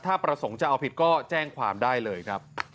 ถ้าประสงค์จะเอาผิดก็แจ้งความได้เลยครับ